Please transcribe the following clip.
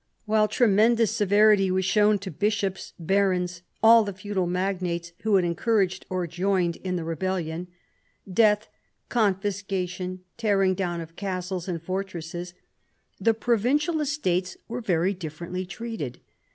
While tremendous severity was shown to bishops, barons, all the feudal magnates who had encouraged or joined in the re bellion — death, confiscation, tearing down of castles and fortresses — the provincial Estates were very differently treated.